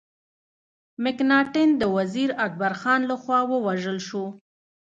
مکناټن د وزیر اکبر خان له خوا ووژل سو.